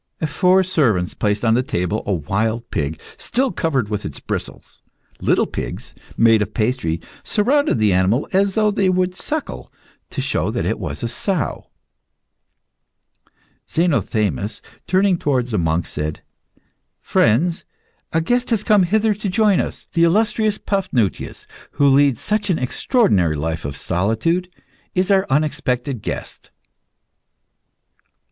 Four servants placed on the table a wild pig, still covered with its bristles. Little pigs, made of pastry, surrounded the animal, as though they would suckle, to show that it was a sow. Zenothemis, turning towards the monk, said "Friends, a guest has come hither to join us. The illustrious Paphnutius, who leads such an extraordinary life of solitude, is our unexpected guest."